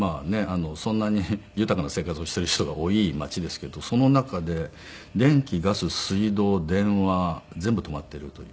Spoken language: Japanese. そんなに豊かな生活をしている人が多い街ですけどその中で電気ガス水道電話全部止まっているというか。